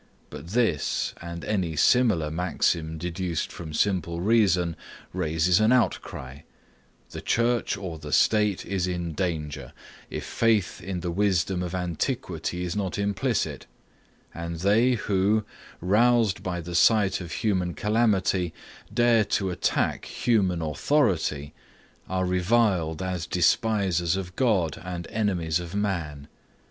But this, and any similar maxim deduced from simple reason, raises an outcry the church or the state is in danger, if faith in the wisdom of antiquity is not implicit; and they who, roused by the sight of human calamity, dare to attack human authority, are reviled as despisers of God, and enemies of man.